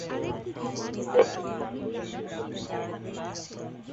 খুব দ্রুতই এটি বিপজ্জনক মিশ্রণ তৈরি করতে পারে।